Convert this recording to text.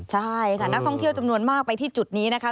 ใช่ค่ะนักท่องเที่ยวจำนวนมากไปที่จุดนี้นะคะ